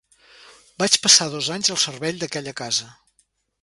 Vaig passar dos anys al servei d'aquella casa.